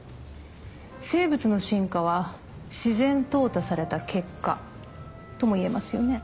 生物の進化は自然淘汰された結果ともいえますよね？